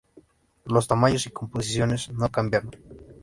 Los tamaños y composiciones no cambiaron.